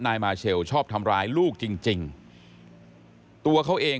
แล้วถ้ามีคนทำร้ายลูกคุณ